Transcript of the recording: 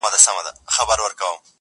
گراني بس څو ورځي لاصبر وكړه.